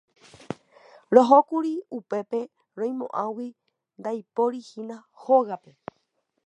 Rohókuri upépe roimo'ãgui ndaiporiha hógape.